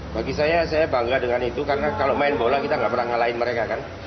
bagi saya saya bangga dengan itu karena kalau main bola kita nggak pernah ngalahin mereka kan